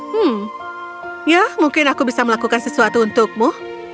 hmm ya mungkin aku bisa melakukan sesuatu untukmu